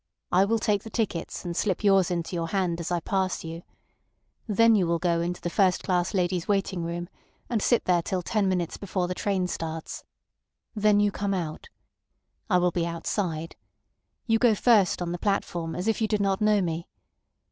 I will take the tickets, and slip in yours into your hand as I pass you. Then you will go into the first class ladies' waiting room, and sit there till ten minutes before the train starts. Then you come out. I will be outside. You go in first on the platform, as if you did not know me.